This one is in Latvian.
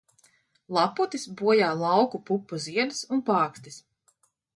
Laputis bojā lauka pupu ziedus un pākstis.